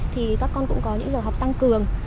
thì các con cũng có những giờ học tăng cường